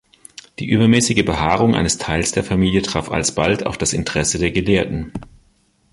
Die übermäßige Behaarung eines Teils der Familie traf alsbald auf das Interesse der Gelehrten.